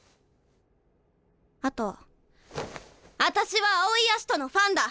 あとあたしは青井葦人のファンだ！